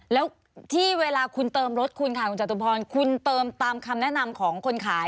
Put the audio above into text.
แล้วที่เวลาคุณเติมรถคุณค่ะคุณจตุพรคุณเติมตามคำแนะนำของคนขาย